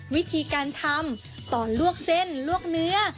วิธีการทำตอนลวกเส้นลวกเนื้อ